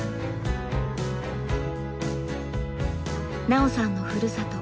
奈緒さんのふるさと